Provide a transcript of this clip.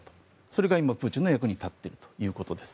それが今、プーチンの役に立っているということです。